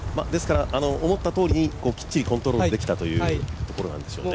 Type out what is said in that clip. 思ったとおりきっちりコントロールできたというところなんですね。